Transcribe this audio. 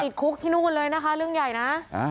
ติดคุกที่นู่นเลยนะคะเรื่องใหญ่นะ